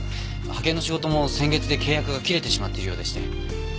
派遣の仕事も先月で契約が切れてしまっているようでして。